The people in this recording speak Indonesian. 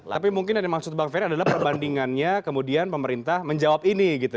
tapi mungkin maksud mbak ferry adalah perbandingannya kemudian pemerintah menjawab ini gitu